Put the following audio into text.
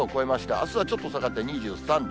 あすはちょっと下がって２３度。